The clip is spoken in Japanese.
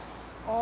あ！